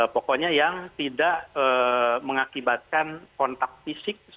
pokoknya yang tidak mengakibatkan kontak fisik